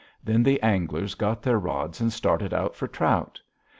Then the anglers got their rods and started out for trout.